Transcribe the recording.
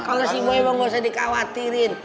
kalo si gue emang gak usah dikhawatirin